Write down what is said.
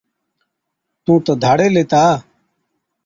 تُون تہ ڌاڙيل هِتا،